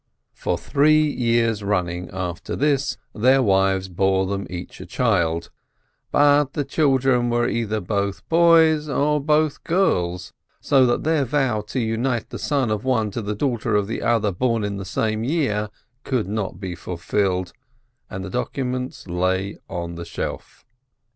For three years running after this their wives bore them each a child, but the children were either both boys or both girls, so that their vow to unite the son of one to a daughter of the other born in the same year could not be fulfilled, and the documents lay on the shelf.